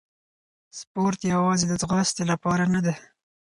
سپورت یوازې د ځغاستې لپاره نه دی.